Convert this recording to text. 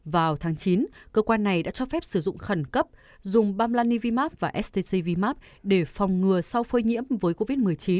vào tháng chín cơ quan này đã cho phép sử dụng khẩn cấp dùng bamlanivimap và stcvmap để phòng ngừa sau phơi nhiễm với covid một mươi chín